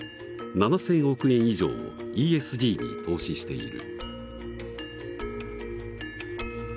７，０００億円以上をＥＳＧに投資している。